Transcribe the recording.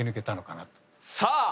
さあ！